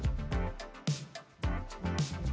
sewaktu gayanya sama biasa